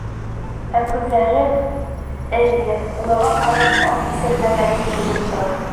Ә күҙҙәре... эйе, уларға ҡарап аҙ кисермәгәне күренеп тора.